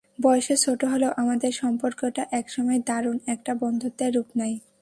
বয়সে ছোট হলেও আমাদের সম্পর্কটা একসময় দারুণ একটা বন্ধুত্বে রূপ নেয়।